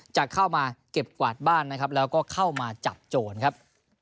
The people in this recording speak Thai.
จะเข้ามาเก็บกวาดบ้านนะครับแล้วก็เข้ามาจับโจรครับ